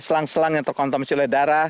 selang selang yang terkontompsi oleh darah